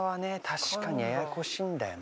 確かにややこしいんだよな。